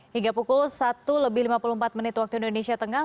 hingga pukul satu lebih lima puluh empat menit waktu indonesia tengah